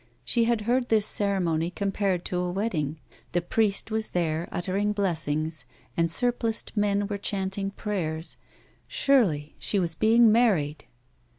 She had heard this ceremony compared to a wedding, the priest was there uttering blessings, and sur pliced men were chanting prayers ; surely she was being married